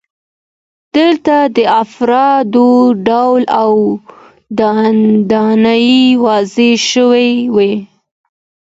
دلته د افرادو رول او دندې واضحې شوې وي.